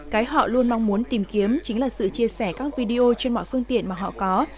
cái họ luôn mong muốn tìm kiếm chính là sự chia sẻ các video trên mọi phương tiện mà họ có